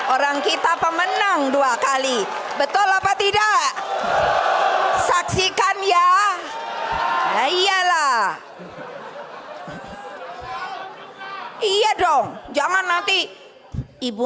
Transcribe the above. orang kita pemenang dua kali betul apa tidak saksikan ya iyalah iya dong jangan nanti ibu